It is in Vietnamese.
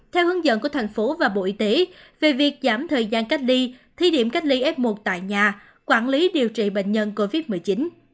theo hướng dẫn của thành phố và bộ y tế về việc giảm thời gian cách ly thi điểm cách ly f một tại nhà quản lý điều trị bệnh nhân covid một mươi chín